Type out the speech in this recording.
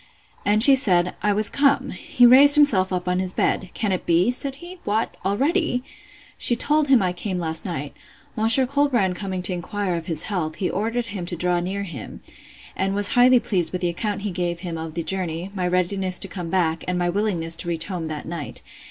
And she said, I was come. He raised himself up in his bed; Can it be? said he—What, already!—She told him I came last night. Monsieur Colbrand coming to inquire of his health, he ordered him to draw near him, and was highly pleased with the account he gave him of the journey, my readiness to come back, and my willingness to reach home that night.